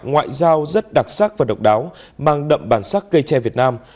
ngoại giao rất đặc sắc và độc đáo mang đậm bản sắc cây tre việt nam